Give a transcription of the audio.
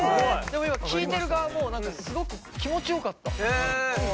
でも今、聞いてる側もすごく気持ちよかった。